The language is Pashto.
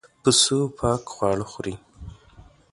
پسه پاک خواړه خوري.